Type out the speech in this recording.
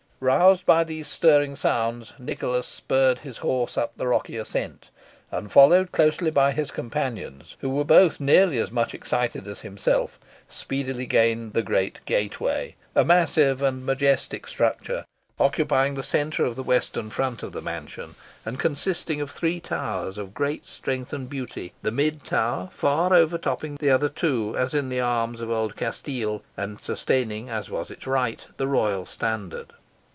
Roused by these stirring sounds, Nicholas spurred his horse up the rocky ascent; and followed closely by his companions, who were both nearly as much excited as himself, speedily gained the great gateway a massive and majestic structure, occupying the centre of the western front of the mansion, and consisting of three towers of great strength and beauty, the mid tower far overtopping the other two, as in the arms of Old Castile, and sustaining, as was its right, the royal standard.